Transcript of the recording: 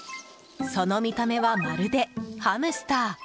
その見た目はまるでハムスター。